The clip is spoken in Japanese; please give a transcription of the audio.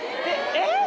えっ！